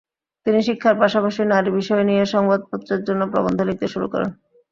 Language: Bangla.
তিনি শিক্ষার পাশাপাশি নারী বিষয় নিয়ে সংবাদপত্রের জন্য প্রবন্ধ লিখতে শুরু করেন।